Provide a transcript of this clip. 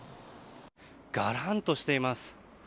がらんとしています。